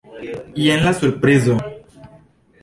Jen la surprizo.